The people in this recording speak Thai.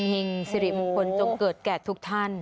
แห่งสิริมงคลจงเกิดแก่ทุกท่าน